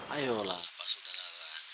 ayolah pak sodara